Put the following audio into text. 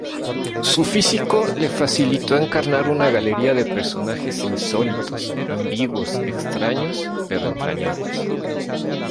Su físico le facilitó encarnar una galería de personajes insólitos, ambiguos, extraños pero entrañables.